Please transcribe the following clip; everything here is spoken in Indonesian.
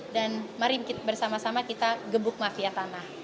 dan mari bersama sama kita gebuk mafia tanah